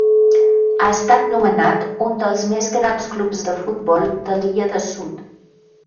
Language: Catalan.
Ha estat nomenat un dels més grans clubs de futbol de l'Illa de Sud.